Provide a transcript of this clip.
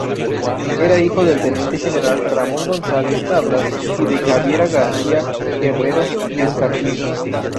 Era hijo del teniente general Ramón González-Tablas y de Javiera García-Herreros y Escartín.